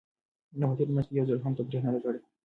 ما په تېره میاشت کې یو ځل هم تفریح نه ده کړې.